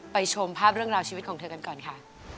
ชมภาพเรื่องราวชีวิตของเธอกันก่อนค่ะ